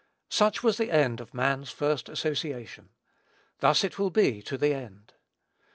Such was the end of man's first association. Thus it will be to the end.